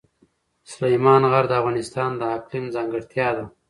سلیمان غر د افغانستان د اقلیم ځانګړتیا ده.